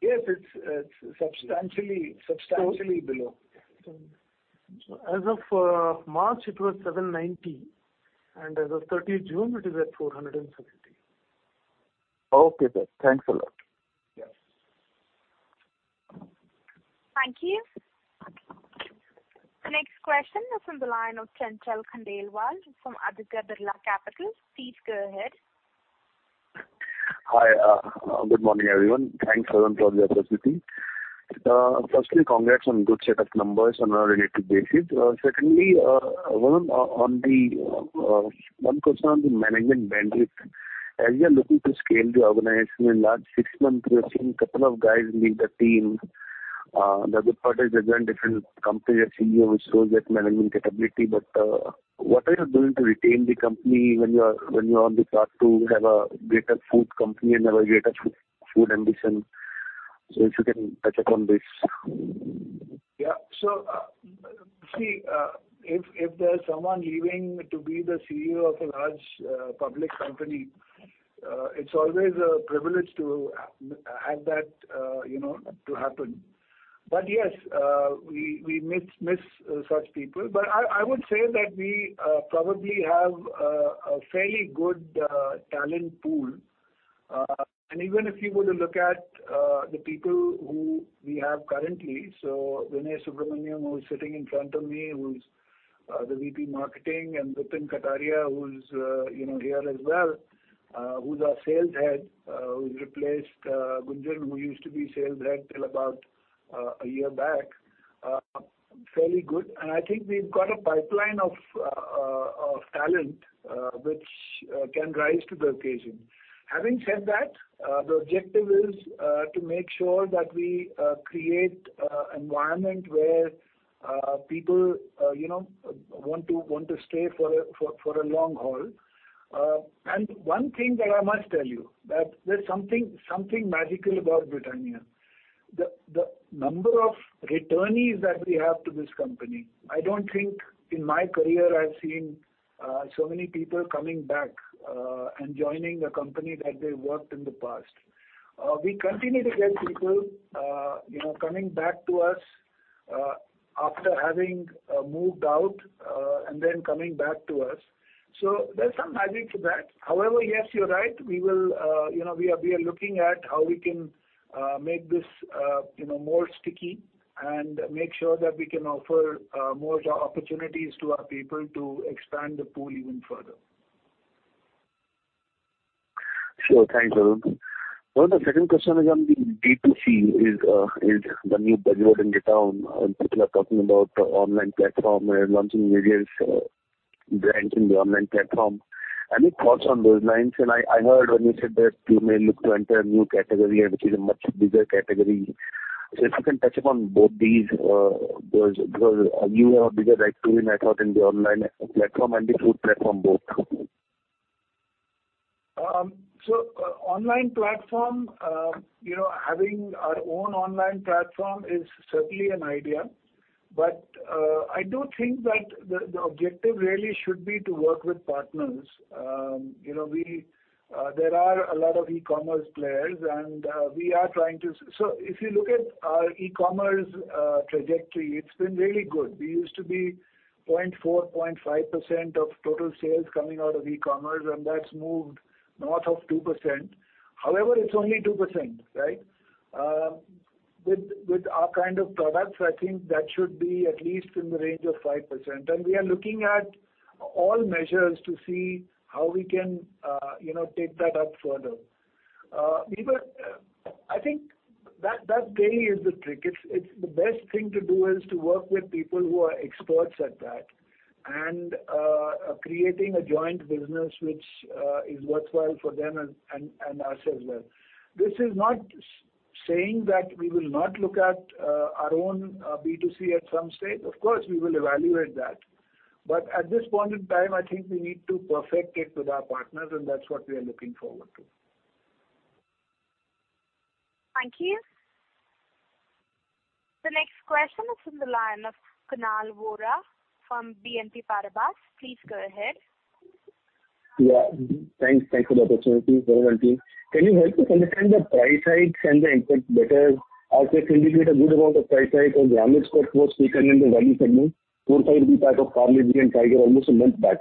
Yes, it's substantially below. As of March it was 790 crore, and as of 30th June it is at 470 crore. Okay, sir. Thanks a lot. Yes. Thank you. The next question is from the line of Chanchal Khandelwal from Aditya Birla Capital. Please go ahead. Hi. Good morning, everyone. Thanks, Varun, for the opportunity. Firstly, congrats on good set of numbers on a relative basis. Secondly, Varun, one question on the management bandwidth. As you are looking to scale the organization, in last six months, we have seen couple of guys leave the team. The good part is they joined different companies as CEO, which shows that management capability. What are you doing to retain the company when you're on the path to have a greater food company and have a greater food ambition? If you can touch upon this. Yeah. See, if there's someone leaving to be the CEO of a large public company, it's always a privilege to have that to happen. Yes, we miss such people. I would say that we probably have a fairly good talent pool, and even if you were to look at the people who we have currently. Vinay Subramanyam, who's sitting in front of me, who's the VP, marketing, and Vipin Kataria, who's here as well, who's our sales head who replaced Gunjan, who used to be sales head till about a year back. Fairly good. I think we've got a pipeline of talent which can rise to the occasion. Having said that, the objective is to make sure that we create environment where people want to stay for a long haul. One thing that I must tell you, that there's something magical about Britannia. The number of returnees that we have to this company, I don't think in my career I've seen so many people coming back and joining a company that they worked in the past. We continue to get people coming back to us after having moved out, and then coming back to us. There's some magic to that. Yes, you're right. We are looking at how we can make this more sticky and make sure that we can offer more opportunities to our people to expand the pool even further. Sure. Thanks, Varun. Varun, the second question is on the D2C, is when you budget and get down, and people are talking about online platform and launching various brands in the online platform. Any thoughts on those lines? I heard when you said that you may look to enter a new category, which is a much bigger category. If you can touch upon both these, because you have a bigger activity, I thought, in the online platform and the food platform both. Online platform, having our own online platform is certainly an idea. I do think that the objective really should be to work with partners. There are a lot of e-commerce players. If you look at our e-commerce trajectory, it's been really good. We used to be 0.4%, 0.5% of total sales coming out of e-commerce, and that's moved north of 2%. However, it's only 2%, right? Yes. With our kind of products, I think that should be at least in the range of 5%. We are looking at all measures to see how we can take that up further. I think that really is the trick. The best thing to do is to work with people who are experts at that, and creating a joint business which is worthwhile for them and us as well. This is not saying that we will not look at our own B2C at some stage. Of course, we will evaluate that. At this point in time, I think we need to perfect it with our partners, and that's what we are looking forward to. Thank you. The next question is from the line of Kunal Vora from BNP Paribas. Please go ahead. Yeah. Thanks for the opportunity. Can you help us understand the price hikes and the impact better? I think you did a good amount of price hike on and the value segment, four, five years back of Parle and Tiger, almost a month back.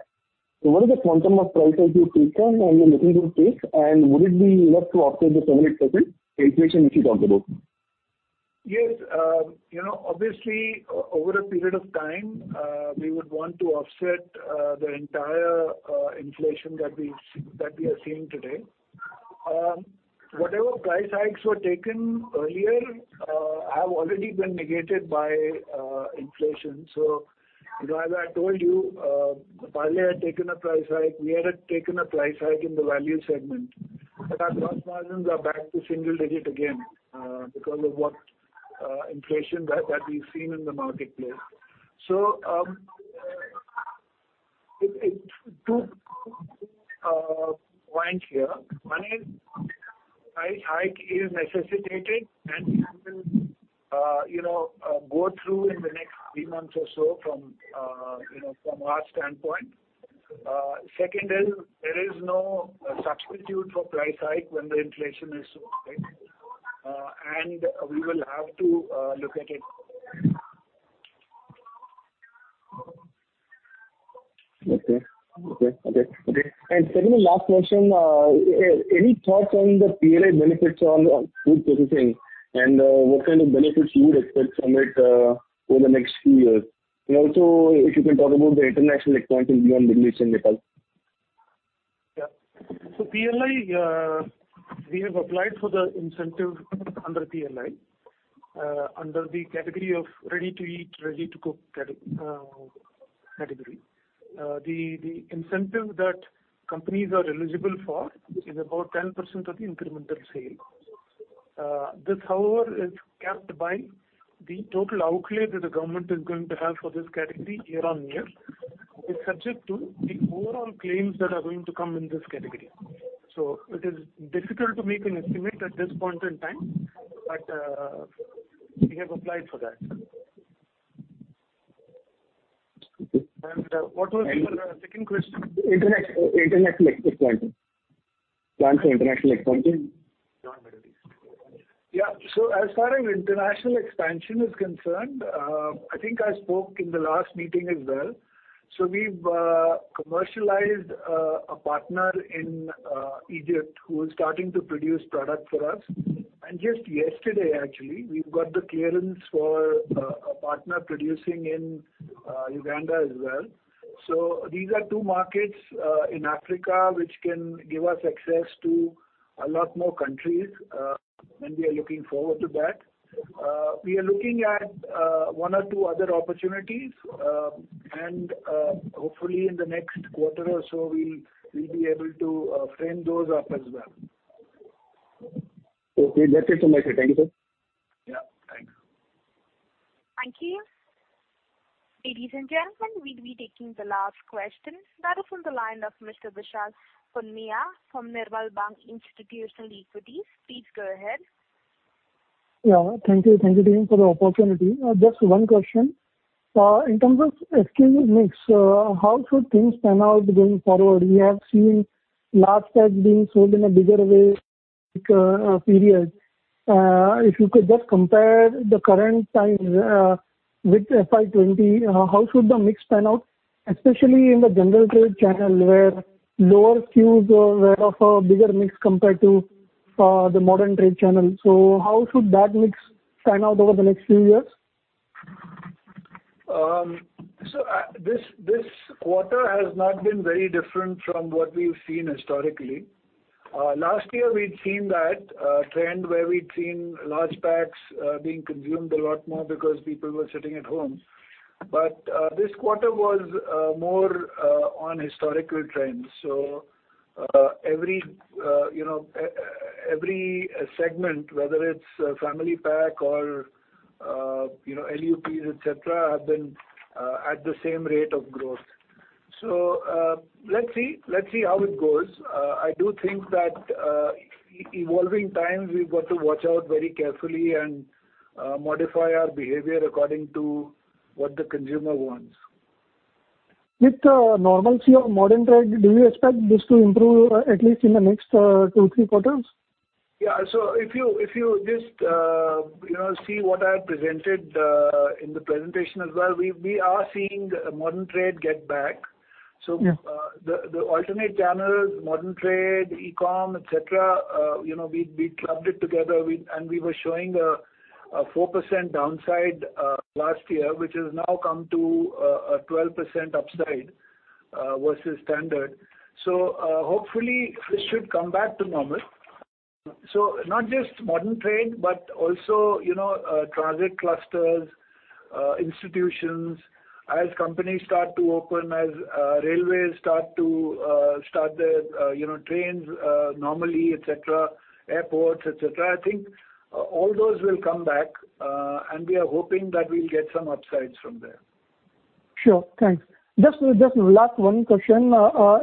What is the quantum of price hike you've taken and you're looking to take, and would it be enough to offset the 7% or 8% inflation, which you talked about? Yes. Obviously, over a period of time, we would want to offset the entire inflation that we are seeing today. Whatever price hikes were taken earlier, have already been negated by inflation. As I told you, Parle had taken a price hike. We had taken a price hike in the value segment, but our gross margins are back to single digit again because of what inflation that we've seen in the marketplace. Two points here. One is, hike is necessitated, and we will go through in the next three months or so from our standpoint. Second is, there is no substitute for a price hike when the inflation is so high. We will have to look at it. Okay. Second and last question, any thoughts on the PLI benefits on food processing and what kind of benefits you would expect from it over the next few years? Also, if you can talk about the international expansion beyond the Middle East and Nepal. Yeah. PLI, we have applied for the incentive under PLI, under the category of ready-to-eat, ready-to-cook category. The incentive that companies are eligible for is about 10% of the incremental sale. This, however, is capped by the total outlay that the government is going to have for this category year-on-year, is subject to the overall claims that are going to come in this category. It is difficult to make an estimate at this point in time, but we have applied for that. What was your second question? International expansion. Plans for international expansion. As far as international expansion is concerned, I think I spoke in the last meeting as well. We've commercialized a partner in Egypt who is starting to produce product for us. Just yesterday, actually, we've got the clearance for a partner producing in Uganda as well. These are two markets in Africa, which can give us access to a lot more countries, and we are looking forward to that. We are looking at one or two other opportunities, and hopefully, in the next quarter or so, we'll be able to frame those up as well. Okay. That's it from my side. Thank you, sir. Yeah. Thanks. Thank you. Ladies and gentlemen, we'll be taking the last question. That is on the line of Mr. Vishal Punmiya from Nirmal Bang Institutional Equities. Please go ahead. Yeah. Thank you. Thank you for the opportunity. Just one question. In terms of SKU mix, how should things pan out going forward? We have seen large packs being sold in a bigger way period. If you could just compare the current times with FY 2020, how should the mix pan out, especially in the general trade channel, where lower SKUs were of a bigger mix compared to the modern trade channel. How should that mix pan out over the next few years? This quarter has not been very different from what we've seen historically. Last year, we'd seen that trend where we'd seen large packs being consumed a lot more because people were sitting at home. This quarter was more on historical trends. Every segment, whether it's family pack or LUPs, et cetera, have been at the same rate of growth. Let's see how it goes. I do think that evolving times, we've got to watch out very carefully and modify our behavior according to what the consumer wants. With the normalcy of modern trade, do you expect this to improve at least in the next two, three quarters? Yeah. If you just see what I presented in the presentation as well, we are seeing modern trade get back. The alternate channels, modern trade, e-com, et cetera, we clubbed it together, we were showing a 4% downside last year, which has now come to a 12% upside versus standard. Hopefully, this should come back to normal. Not just modern trade, but also traffic clusters, institutions, as companies start to open, as railways start their trains normally, et cetera, airports, et cetera. I think all those will come back, we are hoping that we'll get some upsides from there. Sure. Thanks. Just last one question.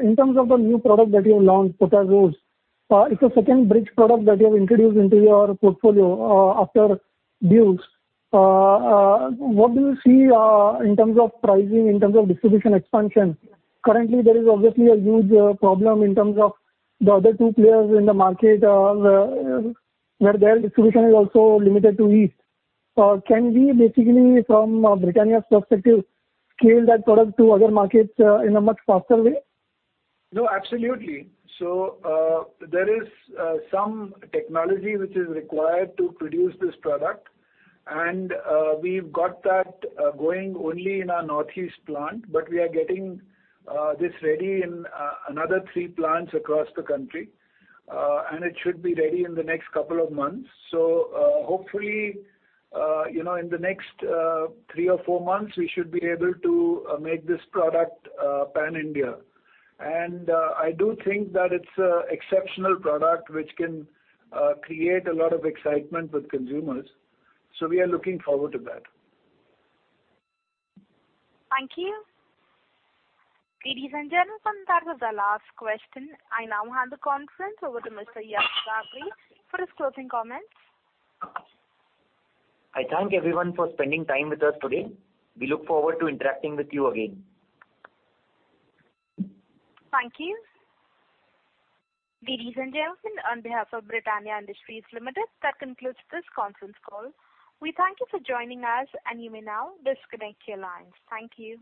In terms of the new product that you have launched, Potazos, it's a second bridge product that you have introduced into your portfolio after Dukes. What do you see in terms of pricing, in terms of distribution expansion? Currently, there is obviously a huge problem in terms of the other two players in the market, where their distribution is also limited to east. Can we basically, from Britannia's perspective, scale that product to other markets in a much faster way? No, absolutely. There is some technology which is required to produce this product, and we've got that going only in our northeast plant. We are getting this ready in another three plants across the country, and it should be ready in the next couple of months. Hopefully, in the next three or four months, we should be able to make this product pan-India. I do think that it's an exceptional product which can create a lot of excitement with consumers. We are looking forward to that. Thank you. Ladies and gentlemen, that was the last question. I now hand the conference over to Mr. Yash Bagri for his closing comments. I thank everyone for spending time with us today. We look forward to interacting with you again. Thank you. Ladies and gentlemen, on behalf of Britannia Industries Limited, that concludes this conference call. We thank you for joining us, and you may now disconnect your lines. Thank you.